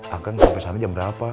akan sampai sana jam berapa